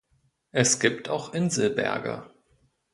Es gibt auch Inselberge.